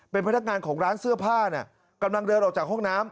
เป็นพนักงานของร้านเสื้อผ้าเนี่ยกำลังเดินออกจากห้องน้ำ